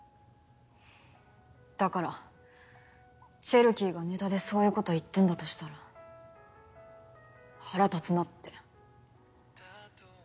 だからチェルキーがネタでそういうこと言ってんだとしたら腹立つなって。